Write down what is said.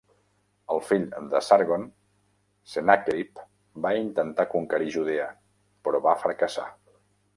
El fill de Sargon, Sennàquerib, va intentar conquerir Judea, però va fracassar.